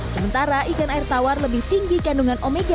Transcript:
sementara ikan air tawar lebih tinggi kandungan omega